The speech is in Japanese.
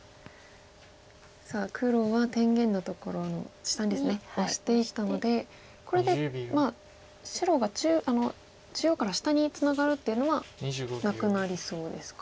さあ黒は天元のところの下にですねオシていったのでこれで白が中央から下にツナがるっていうのはなくなりそうですか。